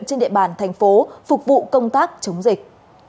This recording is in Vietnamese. trên địa bàn thành phố phục vụ công tác chống dịch